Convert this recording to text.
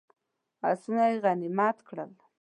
آسونه یې غنیمت کړل.